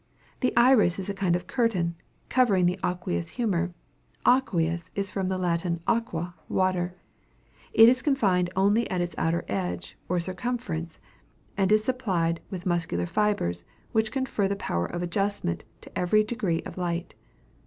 The iris is a kind of curtain, covering the aqueous humor aqueous is from the Latin aqua, water. It is confined only at its outer edge, or circumference; and is supplied with muscular fibres which confer the power of adjustment to every degree of light.